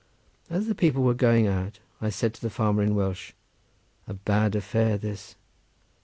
As the people were going out I said to the farmer in Welsh, "A bad affair this."